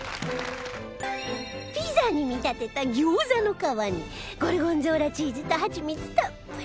ピザに見立てた餃子の皮にゴルゴンゾーラチーズとハチミツたっぷり